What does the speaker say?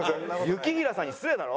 雪平さんに失礼だろ！